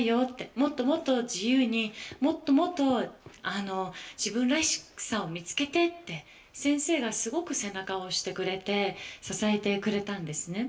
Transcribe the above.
「もっともっと自由にもっともっと自分らしさを見つけて」って先生がすごく背中を押してくれて支えてくれたんですね。